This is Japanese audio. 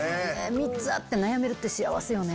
３つあって悩めるって幸せよね。